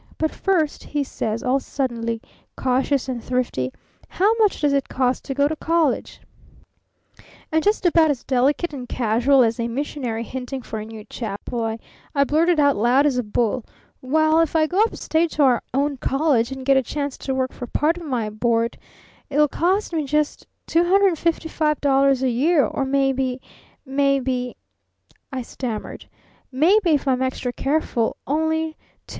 But first,' he says, all suddenly cautious and thrifty, 'how much does it cost to go to college?' And just about as delicate and casual as a missionary hinting for a new chapel, I blurted out loud as a bull: 'Well, if I go up state to our own college, and get a chance to work for part of my board, it will cost me just $255 a year, or maybe maybe,' I stammered, 'maybe, if I'm extra careful, only $245.